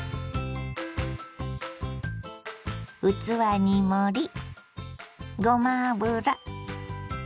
器に盛りごま油。